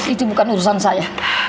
itu bukan urusan saya